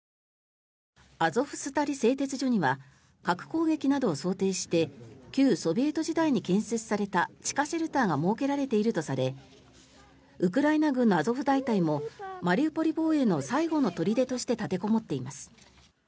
アゾフスタリ製鉄所には核攻撃などを想定して旧ソビエト時代に建設された地下シェルターが設けられているとされウクライナ軍のアゾフ大隊もマリウポリ防衛の最後の砦として立てこもっています。